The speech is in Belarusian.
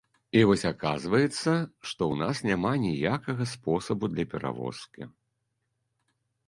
І вось аказваецца, што ў нас няма ніякага спосабу для перавозкі.